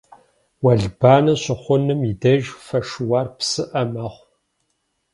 Уэлбанэ щыхъунум и деж фэ шыуар псыӏэ мэхъу.